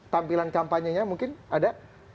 tampilan kampanye nya mungkin ada